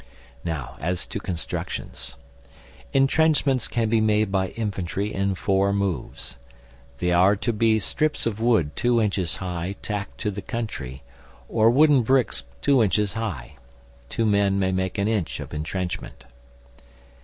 * Next as to Constructions: Entrenchments can be made by infantry in four moves.* They are to be strips of wood two inches high tacked to the country, or wooden bricks two inches high. Two men may make an inch of entrenchment.